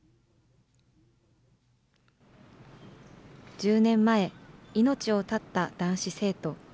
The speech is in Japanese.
１０年前、命を絶った男子生徒。